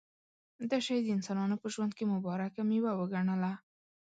دا شی د انسانانو په ژوند کې مبارکه مېوه وګڼله.